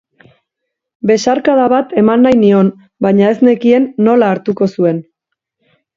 Besarkada bat eman nahi nion, baina ez nekien nola hartuko zuen.